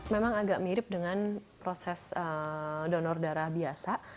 memang agak mirip dengan proses donor darah biasa